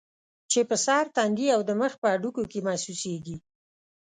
چې پۀ سر ، تندي او د مخ پۀ هډوکو کې محسوسيږي